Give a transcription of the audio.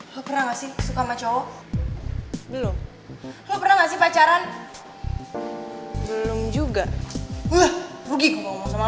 hai pernah masih suka sama cowok belum pernah masih pacaran belum juga udah rugi ngomong sama